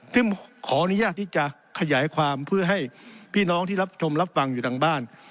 ซึ่งขออนุญาตที่จะขยายความเพื่อให้พี่น้องที่รับชมรับฟังอยู่ทางบ้าน